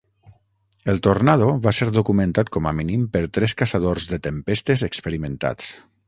El tornado va ser documentat com a mínim per tres caçadors de tempestes experimentats.